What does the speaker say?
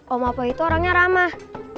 om apo itu orangnya ramah